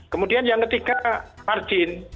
kemudian yang ketiga margin